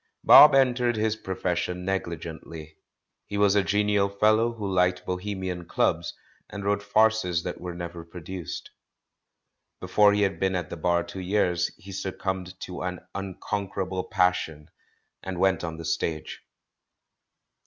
'* Bob entered his profession negligently. He was a genial fellow who liked bohemian clubs, and wrote farces that were never produced. Before he had been at the Bar two years he succumbed to an unconquerable passion and went on the stage.